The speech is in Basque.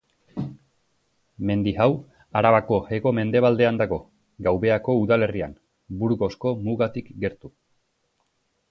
Mendi hau Arabako hego-mendebaldean dago, Gaubeako udalerrian, Burgosko mugatik gertu.